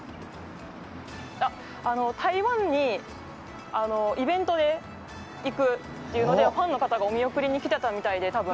台湾にイベントで行くということでファンの方がお見送りに来てたみたいで。